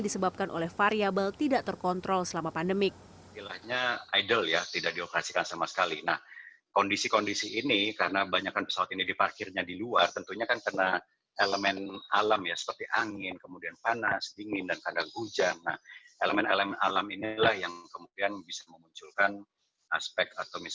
disebabkan oleh variable tidak terkontrol selama pandemik